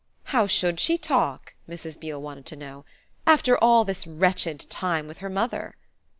"How should she talk," Mrs. Beale wanted to know, "after all this wretched time with her mother?"